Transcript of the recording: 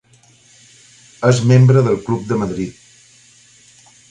És membre del Club de Madrid.